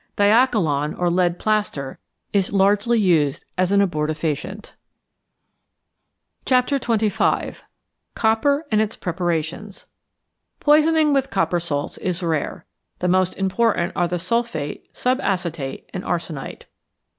Diachylon, or lead plaster, is largely used as an abortifacient. XXV. COPPER AND ITS PREPARATIONS Poisoning with copper salts is rare. The most important are the sulphate, subacetate, and arsenite.